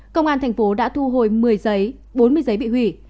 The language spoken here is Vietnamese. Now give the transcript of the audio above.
công an tp hcm đã thu hồi một mươi giấy bốn mươi giấy bị hủy